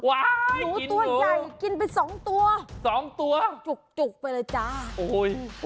ว้ายหนูตัวใหญ่กินเป็นสองตัวสองตัวจุกไปเลยจ้าโอ้โห